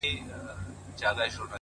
• چي به کله د دمې لپاره تم سو ,